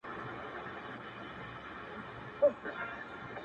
تر څو حکمونه له حُجرې وي -